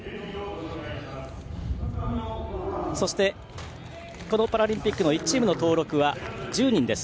そして、このパラリンピックの１チームの登録は１０人です。